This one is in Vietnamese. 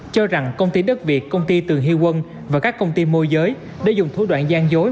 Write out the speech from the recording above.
cho rằng công ty đất việt công ty từ hy quân và các công ty môi giới đã dùng thủ đoạn gian dối